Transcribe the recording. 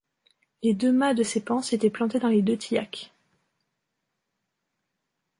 Les deux mâts de ces panses étaient plantés dans les deux tillacs.